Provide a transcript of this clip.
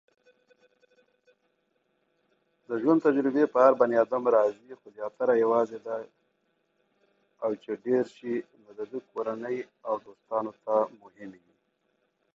She has also pursued a broadcasting career.